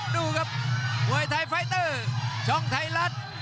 ดูครับมวยไทยไฟเตอร์ช่องไทยรัฐ